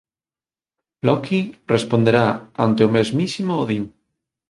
Loki responderá ante o mesmísimo Odín.